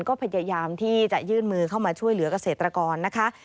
ก็พยายามที่จะยื่นมือเข้ามาช่วยเหลือกเกษตรกรนะคะ